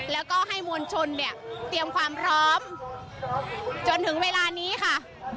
แล้วก็ให้มวลชนเนี่ยเตรียมความพร้อมจนถึงเวลานี้ค่ะ